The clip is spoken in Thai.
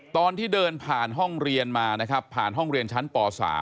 ตอนที่เดินผ่านห้องเรียนมานะครับผ่านห้องเรียนชั้นป๓